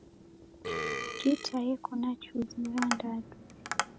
Gita yeko na chuzi irandadu.